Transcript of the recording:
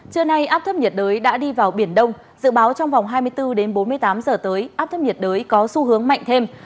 trưa nay áp thấp nhiệt đới đã đi vào biển đông dự báo trong vòng hai mươi bốn đến bốn mươi tám giờ tới áp thấp nhiệt đới có xu hướng mạnh thêm